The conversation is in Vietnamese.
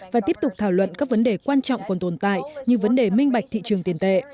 và tiếp tục thảo luận các vấn đề quan trọng còn tồn tại như vấn đề minh bạch thị trường tiền tệ